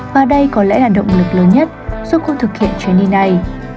và đây có lẽ là động lực lớn nhất giúp cô thực hiện chuyến đi này